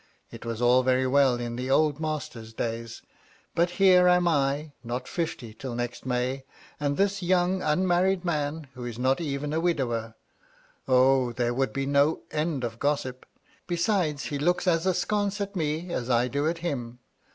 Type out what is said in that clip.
It was all very well in the old master's days. But here am I, not fifty till next May, and this young, unmarried man, who is not even a widower! O, there would be no end of gossip. Besides, he looks as askance at me as I do at him.